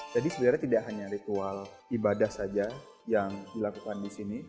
jadi sebenarnya tidak hanya ritual ibadah saja yang dilakukan di sini